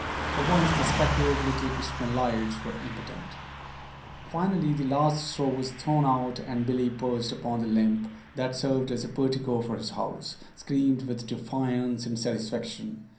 For once the speckled little Ishmaelites were impotent. Finally the last straw was thrown out and Billie perched upon the limb that served as a portico for his house, screamed with defiance and satisfaction.